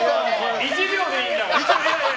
１秒でいいんだよ。